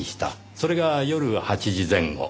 それが夜８時前後。